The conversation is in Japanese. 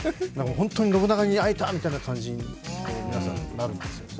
本当に信長に会えたみたいな感じに皆さん、なるんですよ。